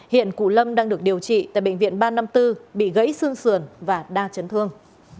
hiện cụ lâm đang được điều trị tại bệnh viện ba trăm năm mươi bốn bị gãy xương sườn và đa chấn thương